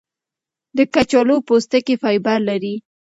د کچالو پوستکی فایبر لري.